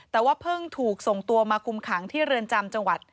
แต่ว่าเพิ่งถูกส่งตัวมาคุมขังที่เรือนจำจังหวัด